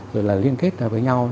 rồi là liên kết với nhau